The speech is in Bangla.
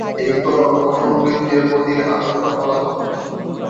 এই ত্বরণ অসম বৃত্তীয় গতির আদর্শ ফলাফল।